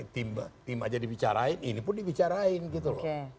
tim aja dibicarain ini pun dibicarain gitu loh